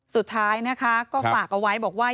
สุดท้ายนะคะก็ฝากเอาไว้บอกว่า